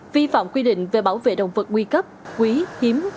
vi phạm quy định về bảo vệ động vật nguy cấp quý hiếm